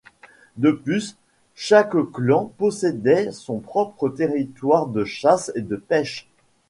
De plus, chaque clan possédait son propre territoire de chasse et de pêche.